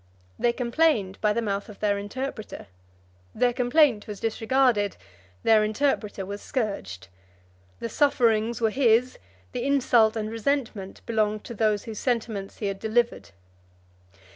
They complained by the mouth of their interpreter: their complaint was disregarded; their interpreter was scourged; the sufferings were his; the insult and resentment belonged to those whose sentiments he had delivered.